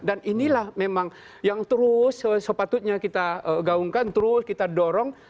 dan inilah memang yang terus sepatutnya kita gaungkan terus kita dorong